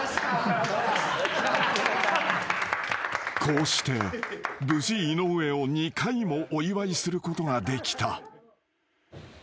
［こうして無事井上を２回もお祝いすることができた］